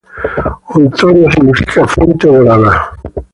Hontoria significa ""fuente dorada"".